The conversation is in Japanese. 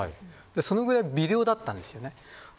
そのぐらい微量だったんです。